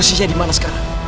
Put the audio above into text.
lo siapa dimana sekarang